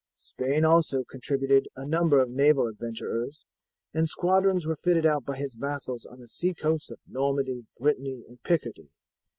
Spain also contributed a number of naval adventurers, and squadrons were fitted out by his vassals on the sea coasts of Normandy, Brittany, and Picardy.